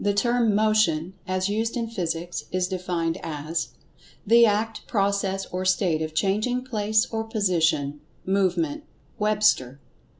The term "Motion," as used in Physics, is defined as: "The act, process or state of changing place or position; movement"—(Webster).